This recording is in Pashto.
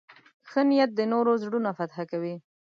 ښه نیت د نورو زړونه فتح کوي.